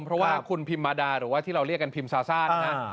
เพราะว่าคุณพิมมาดาหรือว่าที่เราเรียกกันพิมพ์ซาซ่านะ